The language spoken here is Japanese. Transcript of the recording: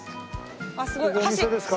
ここお店ですか？